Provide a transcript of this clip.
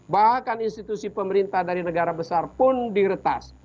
bahkan institusi pemerintah dari negara besar pun diretas